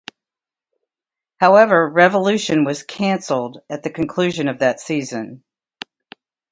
However, "Revolution" was cancelled at the conclusion of that season.